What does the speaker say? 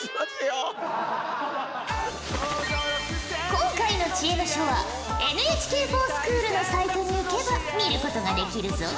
今回の知恵の書はＮＨＫｆｏｒＳｃｈｏｏｌのサイトに行けば見ることができるぞ。